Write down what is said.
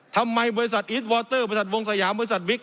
ทำไมบริษัทอีทวอเตอร์บริษัทวงสยามบริษัทบิ๊ก